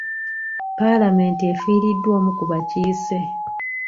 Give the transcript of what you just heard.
Palamenti efiiriddwa omu ku bakiise.